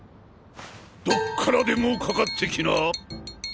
どっからでもかかって来な。